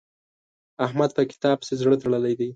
احمد په کتاب پسې زړه تړلی دی.